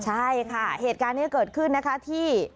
ใช่ค่ะเหตุการณ์นี้เกิดขึ้นนะคะที่